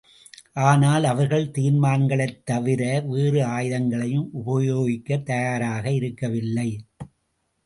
ஆனால் அவர்கள் தீர்மானங்களைத் தவிர வேறு ஆயுதங்களையும் உபயோகிக்கத் தயாராக இருக்கவில்லை.